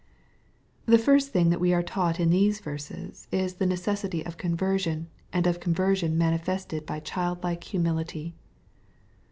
The first thing that we are taught in these verses, is the necessity of conversion, and of conversion manifested by childlike humility.